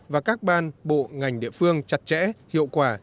và các ban bộ ngành địa phương chặt chẽ hiệu quả